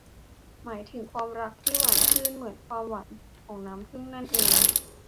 หมายถึงความรักที่หวานชื่นเหมือนความหวานของน้ำผึ้งนั่นเอง